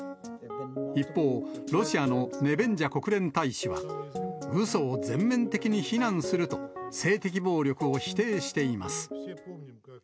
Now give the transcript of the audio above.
一方、ロシアのネベンジャ国連大使は、うそを全面的に非難すると、性的暴力を否定しています。